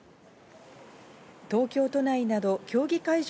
東京都内など競技会場